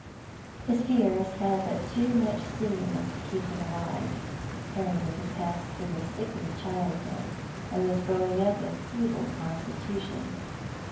His fears had but too much stimulus to keep them alive. Harriet had passed through a sickly childhood, and was growing up with a feeble constitution.